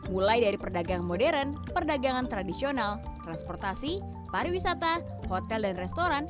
mulai dari perdagangan modern perdagangan tradisional transportasi pariwisata hotel dan restoran